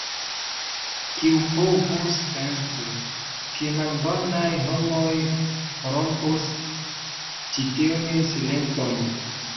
Kiu povus pensi, ke malbonaj homoj rompus ĉi tiun silenton?